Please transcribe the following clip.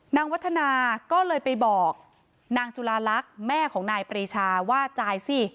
วัฒนาก็เลยไปบอกนางจุลาลักษณ์แม่ของนายปรีชาว่าจ่ายสิ